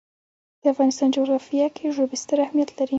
د افغانستان جغرافیه کې ژبې ستر اهمیت لري.